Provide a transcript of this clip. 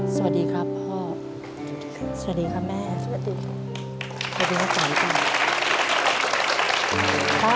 สวัสดีครับพ่อ